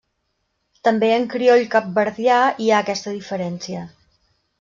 També en crioll capverdià hi ha aquesta diferència.